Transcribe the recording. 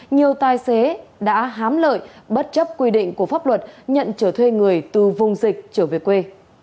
nhiều tài xế đã hám lợi bất chấp quy định của pháp luật nhận trở thuê người từ vùng dịch trở về quê